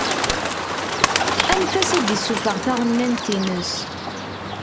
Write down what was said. Anef-as ad d-isuffeɣ taɣennant-ines.